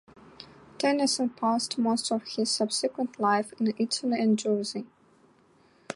Tennyson passed most of his subsequent life in Italy and Jersey.